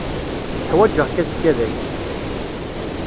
Ḥwaǧeɣ-k azekka dagi.